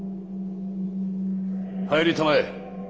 入りたまえ。